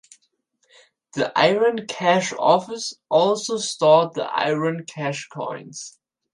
The iron cash office also stored the iron cash coins.